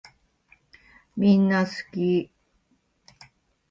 みんなすき